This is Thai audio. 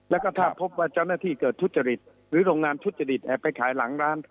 แล้วก็ถ้าพบว่าเจ้าหน้าที่เกิดทุจริตหรือโรงงานทุจริตแอบไปขายหลังร้าน